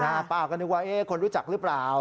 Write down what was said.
กลับมากก็นึกว่าคนรู้จักรึเปล่า